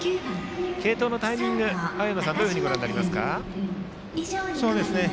継投のタイミング青山さん、どのようにご覧になりますか？